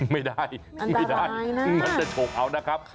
ไม่ได้อุ๊ยอันตรายนะไม่ได้มันจะโชคอัลนะครับ